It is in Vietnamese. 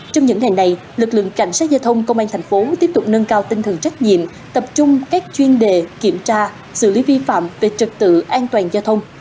trong những ngày này lực lượng cảnh sát giao thông công an thành phố tiếp tục nâng cao tinh thần trách nhiệm tập trung các chuyên đề kiểm tra xử lý vi phạm về trật tự an toàn giao thông